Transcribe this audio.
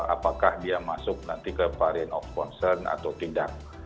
apakah dia masuk nanti ke varian of concern atau tidak